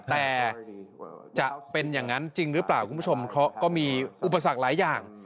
แต่จะเป็นอย่างนั้นจริงหรือเปล่าคุณผู้ชมเพราะก็มีอุปสรรคหลายอย่าง